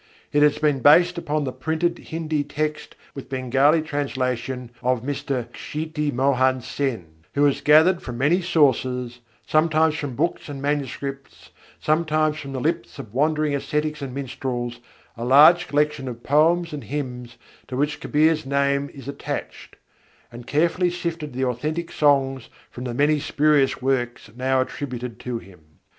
It has been based upon the printed Hindî text with Bengali translation of Mr. Kshiti Mohan Sen; who has gathered from many sources sometimes from books and manuscripts, sometimes from the lips of wandering ascetics and minstrels a large collection of poems and hymns to which Kabîr's name is attached, and carefully sifted the authentic songs from the many spurious works now attributed to him.